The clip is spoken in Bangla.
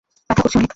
ব্যাথা করছে অনেক!